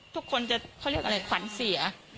ทุกคนจะเค้าเรียกอันนี้ว่าขวัญเสีย